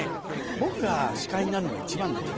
僕が司会になるのが一番なんじゃないかな。